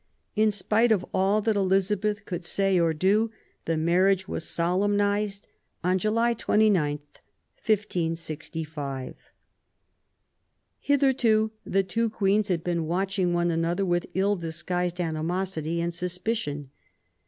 In spite of all that Elizabeth could say or do, the marriage was solemnised on July 29, 1565. Hitherto the two Queens had been watching one another with ill disguised animosity and suspicion.